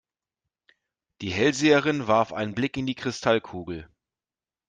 Die Hellseherin warf einen Blick in die Kristallkugel.